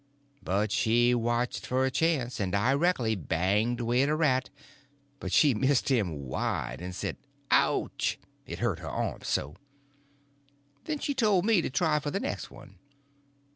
But she watched for a chance, and directly banged away at a rat; but she missed him wide, and said "Ouch!" it hurt her arm so. Then she told me to try for the next one.